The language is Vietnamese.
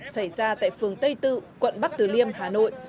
xảy ra tại phường tây tự quận bắc từ liêm hà nội